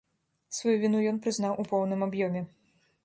Сваю віну ён прызнаў у поўным аб'ёме.